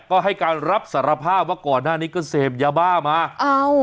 ก็ให้การรับสารภาพว่าก่อนหน้านี้ก็เสพยาบ้ามาเอ้า